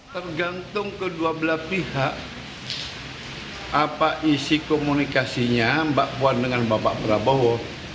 tergantung kedua belah pihak apa isi komunikasinya mbak puan dengan bapak prabowo